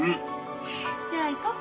じゃあ行こうか。